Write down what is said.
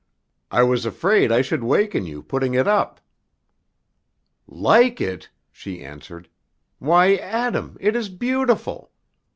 "I was afraid I should waken you putting it up." "Like it!" she answered, "Why, Adam, it is beautiful.